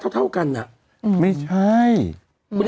ถูกมากกว่านักปีหนึ่ง